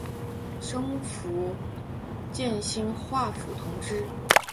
升福建兴化府同知。